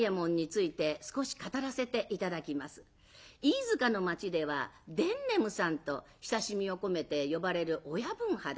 飯塚の町では「伝ねむさん」と親しみを込めて呼ばれる親分肌。